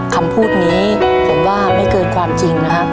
คำพูดนี้ผมว่าไม่เกินความจริงนะครับ